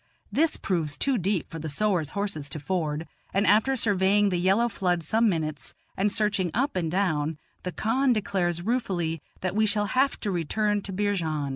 This proves too deep for the sowars' horses to ford, and after surveying the yellow flood some minutes and searching up and down, the khan declares ruefully that we shall have to return to Beerjand.